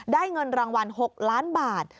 เงินรางวัล๖ล้านบาท